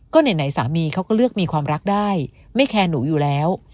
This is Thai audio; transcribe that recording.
ก็ไหนสามีเขาก็เลือกมีความรักได้ไม่แคร์หนูอยู่แล้ว